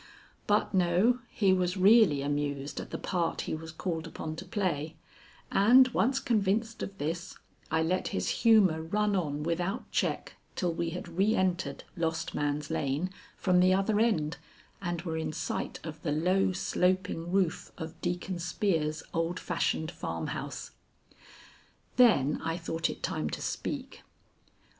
But no, he was really amused at the part he was called upon to play, and, once convinced of this, I let his humor run on without check till we had re entered Lost Man's Lane from the other end and were in sight of the low sloping roof of Deacon Spear's old fashioned farmhouse. Then I thought it time to speak.